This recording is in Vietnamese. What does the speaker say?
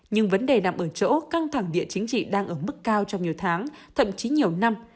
nhưng vấn đề nằm ở chỗ căng thẳng địa chính trị đang ở mức cao trong nhiều tháng thậm chí nhiều năm